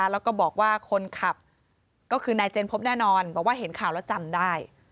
แล้วก็บอกว่าคนขับก็คือนายเจนพบแน่นอนบอกว่าเห็นข่าวแล้วจำได้